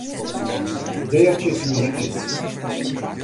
Dêr sit muzyk yn.